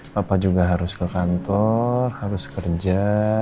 bapak juga harus ke kantor harus kerja